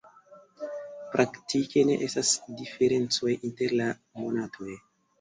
Praktike ne estas diferencoj inter la monatoj.